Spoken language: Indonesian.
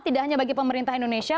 tidak hanya bagi pemerintah indonesia